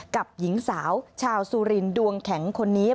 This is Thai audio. กับหญิงสาวชาวสุรินดวงแข็งคนนี้